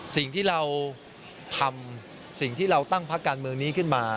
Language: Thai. สิ่งที่เราทำสิ่งที่เราตั้งพักการเมืองนี้ขึ้นมา